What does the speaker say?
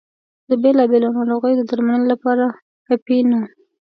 د بېلا بېلو ناروغیو د درملنې لپاره اپینو.